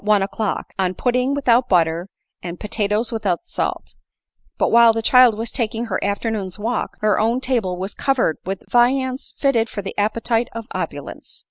one o'clock, on pudding without butter, and potatoes without salt ; but while the child was taking her after noon's walk, her own table was covered with viands fitted for the appetite of opulence.